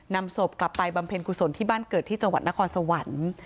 นำศพกลับไปบำเพ็ญกุศลที่บ้านเกิดที่จังหวัดนครสวรรค์